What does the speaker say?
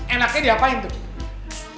enaknya diapain tuh